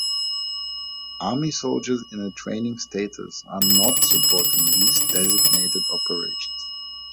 Army soldiers in a training status are "not" supporting these designated operations.